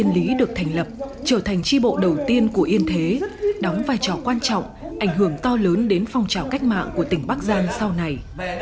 lý được thành lập trở thành tri bộ đầu tiên của yên thế đóng vai trò quan trọng ảnh hưởng to lớn đến phong trào cách mạng của tỉnh bắc giang sau này